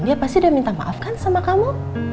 dia pasti dia minta maaf kan sama kamu